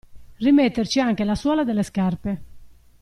Rimetterci anche la suola delle scarpe.